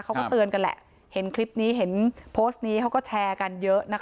เขาก็เตือนกันแหละเห็นคลิปนี้เห็นโพสต์นี้เขาก็แชร์กันเยอะนะคะ